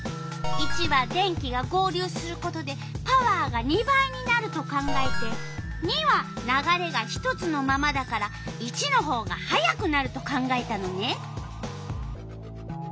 ①は電気が合流することでパワーが２倍になると考えて②は流れが一つのままだから①のほうが速くなると考えたのね。